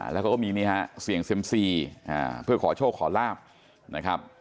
แล้วเขาก็มีนี่ฮะเสี่ยงเซ็มซีเพื่อขอโชคขอลาบนะครับ